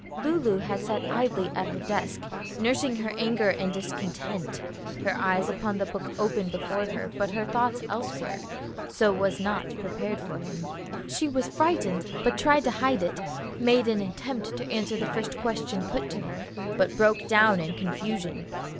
Lulu had sat idly at her desk nursing her anger and discontent, her eyes on the book open before her, but her thoughts elsewhere, so was not prepared for him. She was frightened, but tried to hide it, made an attempt to answer the first question put to her, but broke down in confusion.